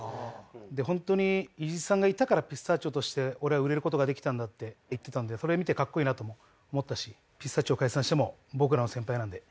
本当に伊地知さんがいたからピスタチオとして俺は売れる事ができたんだって言ってたんでそれ見て格好いいなとも思ったしピスタチオ解散しても僕らの先輩なんで。